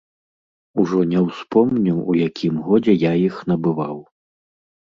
Ужо не ўспомню, у якім годзе я іх набываў.